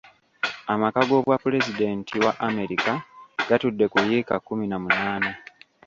Amaka g'obwa pulezidenti wa America gatudde ku yiika kkumi na munaana